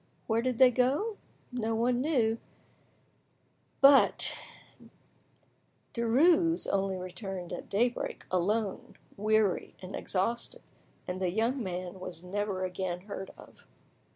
Where did they go? No one knew; but Denies only returned at daybreak, alone, weary and exhausted, and the young man was never again heard of.